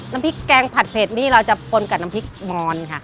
น้ำพริกแกงผัดเผ็ดนี่เราจะปนกับน้ำพริกมอนค่ะ